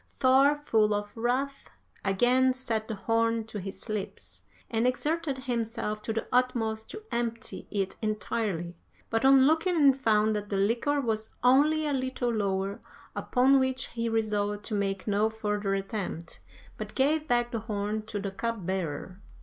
"Thor, full of wrath, again set the horn to his lips, and exerted himself to the utmost to empty it entirely, but on looking in found that the liquor was only a little lower, upon which he resolved to make no further attempt, but gave back the horn to the cupbearer.